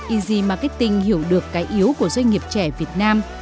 easy marketing hiểu được cái yếu của doanh nghiệp trẻ việt nam